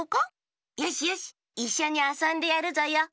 よしよしいっしょにあそんでやるぞよ。